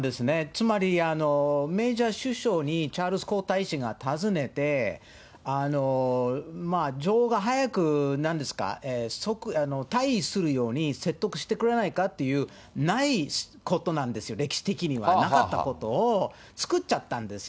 つまり、メージャー首相にチャールズ皇太子が訪ねて、女王が早く、なんですか、退位するように説得してくれないかという、ないことなんですよ、歴史的にはなかったことを、作っちゃったんです。